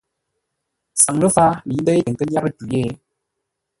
Saŋ ləfǎa lə̌i ndéi tə nkə́ nyárə́ tû yé.